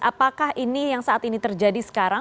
apakah ini yang saat ini terjadi sekarang